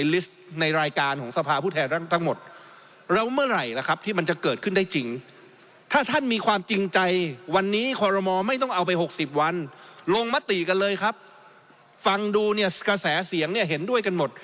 ฟังมติกันเลยครับฟังดูเนี่ยกระแสเสียงเนี่ยเห็นด้วยกันหมด